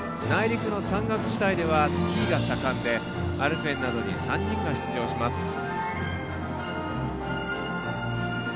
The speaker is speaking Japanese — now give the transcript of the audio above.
内陸の山岳地帯ではスキーが盛んでアルペンなどに３人が出場します。